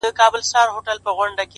گراني بس څو ورځي لاصبر وكړه!!